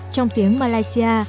trong tiếng malaysia